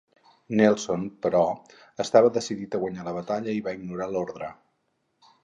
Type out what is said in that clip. Nelson, però, estava decidit a guanyar la batalla i va ignorar l'ordre.